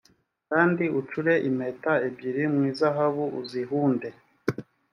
kandi ucure impeta ebyiri mu izahabu uzihunde